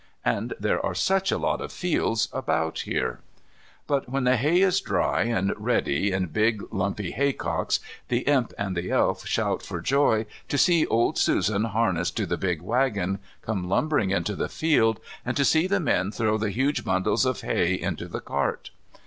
And there are such a lot of fields about here. But when the hay is dry and ready in big, lumpy haycocks, the Imp and the Elf shout for joy to see old Susan harnessed to the big waggon come lumbering into the field, and to see the men throw the huge bundles of hay into the cart.